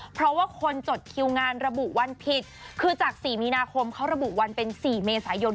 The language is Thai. เพราะว่าคนจดคิวงานระบุวันผิดคือจาก๔มีนาคมเขาระบุวันเป็น๔เมษายน